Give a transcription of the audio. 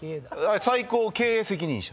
「最高経営責任者」